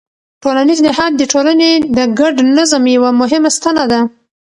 ټولنیز نهاد د ټولنې د ګډ نظم یوه مهمه ستنه ده.